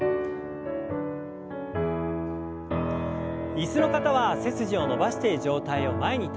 椅子の方は背筋を伸ばして上体を前に倒します。